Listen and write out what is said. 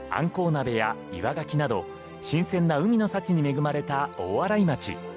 鍋やイワガキなど新鮮な海の幸に恵まれた大洗町。